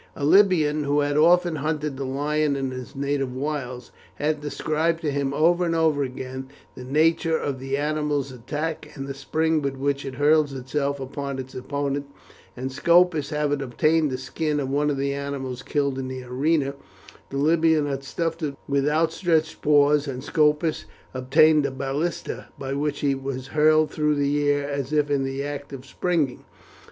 A Libyan, who had often hunted the lion in its native wilds, had described to him over and over again the nature of the animal's attack, and the spring with which it hurls itself upon its opponent, and Scopus having obtained a skin of one of the animals killed in the arena, the Libyan had stuffed it with outstretched paws; and Scopus obtained a balista, by which it was hurled through the air as if in the act of springing.